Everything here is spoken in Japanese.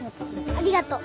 ありがとう。